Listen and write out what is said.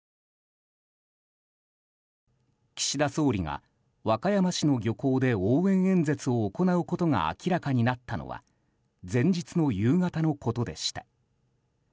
岸田総理が和歌山市の漁港で応援演説を行うことが明らかになったのは前日の夕方のことでした。